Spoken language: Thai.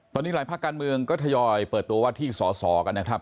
ตอนนี้หลายภาคการเมืองก็ทยอยเปิดตัวว่าที่สอสอกันนะครับ